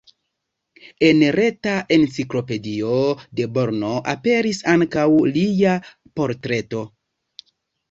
En reta Enciklopedio de Brno aperas ankaŭ lia portreto.